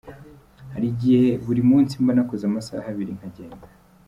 Hari igihe buri munsi mba nakoze amasaha abiri nkagenda".